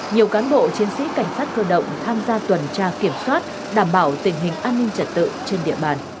nhiều cán bộ chiến sĩ cảnh sát cơ động tham gia tuần tra kiểm soát đảm bảo tình hình an ninh trật tự trên địa bàn